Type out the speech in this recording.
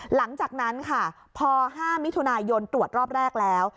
หลังจากนั้นค่ะพอ๕มิถุนายนตรวจรอบแรกแล้ว